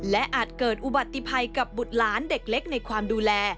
และอาจเกิดอุบัติภัยกับบุตรหลานเด็กเล็กในความดูแล